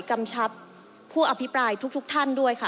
กำชับผู้อภิปรายทุกท่านด้วยค่ะ